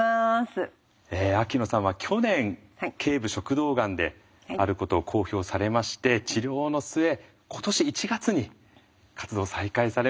秋野さんは去年頸部食道がんであることを公表されまして治療の末今年１月に活動再開されました。